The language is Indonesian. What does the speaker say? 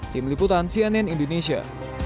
tim liputan cnn indonesia